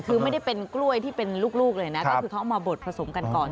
คือไม่ได้เป็นกล้วยที่เป็นลูกเลยนะก็คือเขาเอามาบดผสมกันก่อน